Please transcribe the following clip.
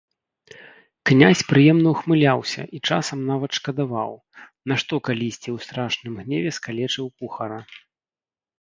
Князь прыемна ўхмыляўся і часам нават шкадаваў, нашто калісьці ў страшным гневе скалечыў кухара.